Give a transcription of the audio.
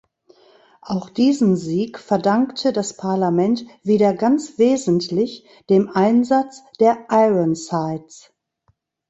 Auch diesen Sieg verdankte das Parlament wieder ganz wesentlich dem Einsatz der Ironsides.